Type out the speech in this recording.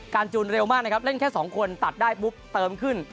การจูนเร็วมากเล่นแค่สองคนตัดได้เเครอมขึ้น